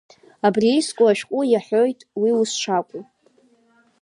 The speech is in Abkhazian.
Абри иску ашәҟәы иаҳәоит уи ус шакәу.